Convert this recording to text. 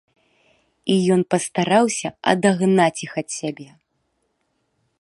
І ён пастараўся адагнаць іх ад сябе.